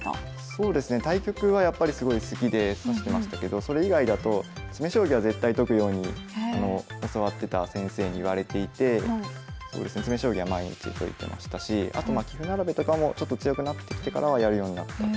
そうですね対局はやっぱりすごい好きで指してましたけどそれ以外だと詰将棋は絶対解くように教わってた先生に言われていて詰将棋は毎日解いてましたしあとまあ棋譜並べとかもちょっと強くなってきてからはやるようになったって感じですかね。